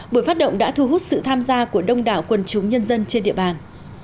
buổi phát động đã thu hút sự tham gia của đông đảo quần chúng nhân dân trên địa bàn